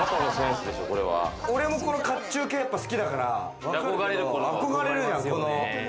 俺も甲冑系好きだから、憧れるのよ。